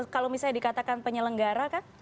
kalau misalnya dikatakan penyelenggara kan